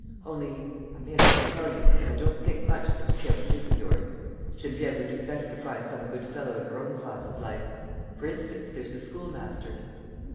Only, I may as well tell you that I don't think much of this Pierre Leduc of yours. Geneviève would do better to find some good fellow in her own class of life. For instance, there's the schoolmaster."